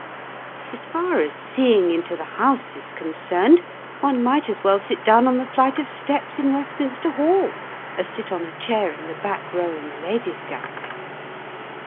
As far as seeing into the House is concerned, one might as well sit down on the flight of steps in Westminster Hall as sit on a chair in the back row in the Ladies' Gallery.